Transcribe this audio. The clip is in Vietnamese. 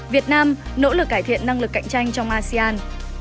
việt nam nỗ lực cải thiện năng lực cạnh tranh trong asean